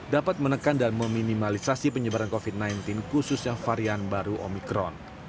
dapat menekan dan meminimalisasi penyebaran covid sembilan belas khususnya varian baru omikron